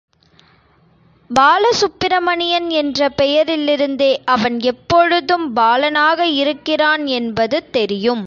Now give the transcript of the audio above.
பாலசுப்பிரமணியன் என்ற பெயரிலிருந்தே அவன் எப்போழுதும் பாலனாக இருக்கிறான் என்பது தெரியும்.